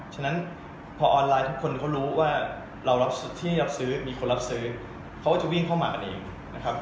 ฉะนั้นพอออนไลน์ทุกคนเขารู้ว่าเรารับที่รับซื้อมีคนรับซื้อเขาก็จะวิ่งเข้ามาเองนะครับ